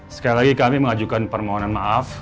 sekali lagi kami mengajukan permohonan maaf